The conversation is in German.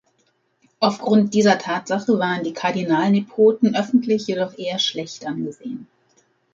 Aufgrund dieser Tatsache waren die Kardinalnepoten öffentlich jedoch eher schlecht angesehen.